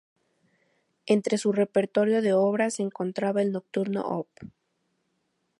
Entre su repertorio de obras se encontraba el "Nocturno Op.